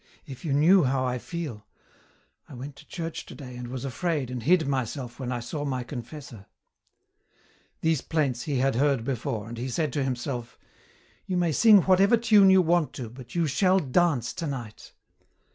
If you knew how I feel I went to church today and was afraid and hid myself when I saw my confessor " These plaints he had heard before, and he said to himself, "You may sing whatever tune you want to, but you shall dance tonight."